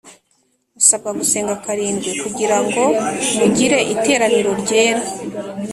Usabwa gusenga karindwi kugirango mugire iteraniro ryera